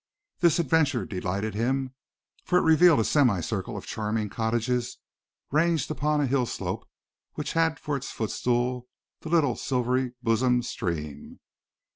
This adventure delighted him for it revealed a semi circle of charming cottages ranged upon a hill slope which had for its footstool the little silvery bosomed stream.